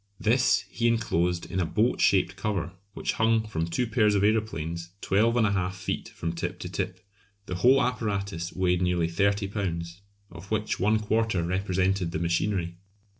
This he enclosed in a boat shaped cover which hung from two pairs of aeroplanes 12 1/2 feet from tip to tip. The whole apparatus weighed nearly 30 lbs., of which one quarter represented the machinery.